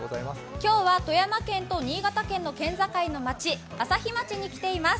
今日は富山県と新潟県の県境の町、朝日町に来ています。